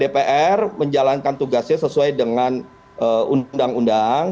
dpr menjalankan tugasnya sesuai dengan undang undang